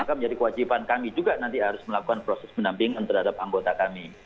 maka menjadi kewajiban kami juga nanti harus melakukan proses pendampingan terhadap anggota kami